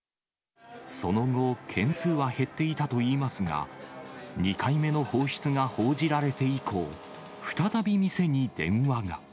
その後、件数は減っていたといいますが、２回目の放出が報じられて以降、再び店に電話が。